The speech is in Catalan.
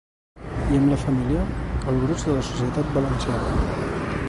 I amb la família, el gruix de la societat valenciana.